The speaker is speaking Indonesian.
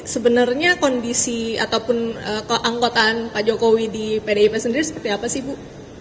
sebenarnya kondisi ataupun keanggotaan pak jokowi di pdip sendiri seperti apa sih bu